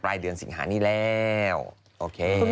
เดือนสิงหานี้แล้วโอเค